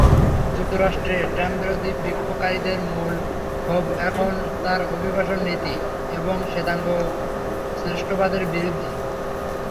যুক্তরাষ্ট্রে ট্রাম্পবিরোধী বিক্ষোভকারীদের মূল ক্ষোভ এখন তাঁর অভিবাসন নীতি এবং শ্বেতাঙ্গ শ্রেষ্ঠত্ববাদের বিরুদ্ধে।